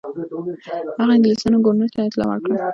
هغه انګلیسیانو ګورنر ته اطلاع ورکړه.